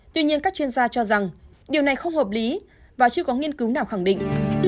tuy nhiên các chuyên gia cho rằng điều này không hợp lý và chưa có nghiên cứu nào khẳng định